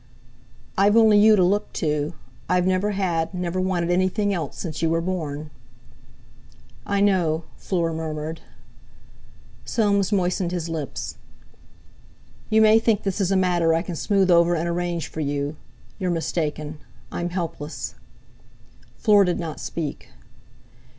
"I've only you to look to. I've never had—never wanted anything else, since you were born." "I know," Fleur murmured. Soames moistened his lips. "You may think this a matter I can smooth over and arrange for you. You're mistaken. I'm helpless." Fleur did not speak.